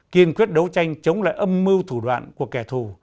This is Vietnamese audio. kiên quyết đấu tranh chống lại âm mưu thủ đoạn của kẻ thù